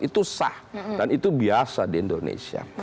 itu sah dan itu biasa di indonesia